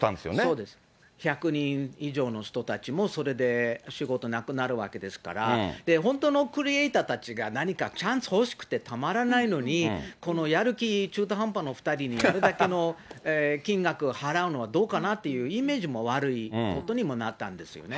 そうです、１００人以上の人たちも、それで仕事なくなるわけですから、本当のクリエイターたちが何かチャンス欲しくてたまらないのに、このやる気中途半端の２人に、これだけの金額払うのはどうかなという、イメージも悪いことにもなったんですよね。